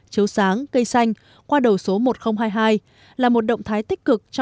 chấu sáng cây xanh qua đầu số một nghìn hai mươi hai là một động thái tích cực